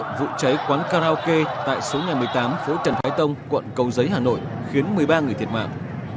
năm hai nghìn một mươi sáu vụ cháy quán karaoke tại số nhà một mươi tám phố trần thái tông quận cầu giấy hà nội khiến một mươi ba người thiệt mạng